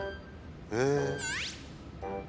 へえ。